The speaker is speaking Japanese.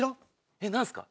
えっ何すか？